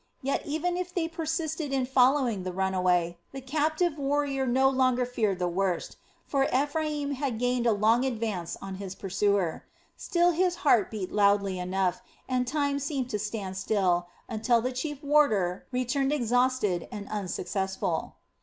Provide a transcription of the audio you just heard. Yet, even if they persisted in following the runaway, the captive warrior no longer feared the worst, for Ephraim had gained a long advance of his pursuers. Still, his heart beat loudly enough and time seemed to stand still until the chief warder returned exhausted and unsuccessful.